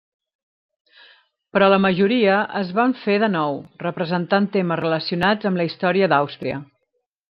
Però la majoria es van fer de nou, representant temes relacionats amb la història d'Àustria.